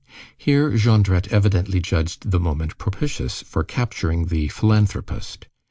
Here Jondrette evidently judged the moment propitious for capturing the "philanthropist."